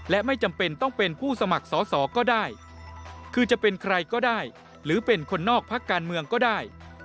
และไม่จำเป็นต้องเป็นผู้สมัครสอสอก็ได้คือจะเป็นใครก็ได้หรือเป็นคนนอกพักการเมืองก็ได้